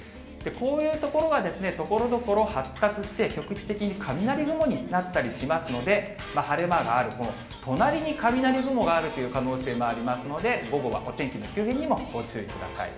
こういうところがところどころ発達して、局地的に雷雲になったりしますので、晴れ間がある、この隣に雷雲があるという可能性もありますので、午後はお天気の急変にもご注意ください。